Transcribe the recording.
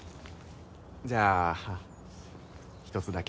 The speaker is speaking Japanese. じゃあ一つだけ。